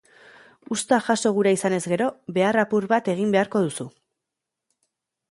Uzta jaso gura izanez gero, behar apur bat egin beharko duzu.